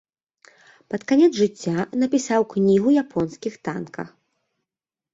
Пад канец жыцця напісаў кнігу японскіх танка.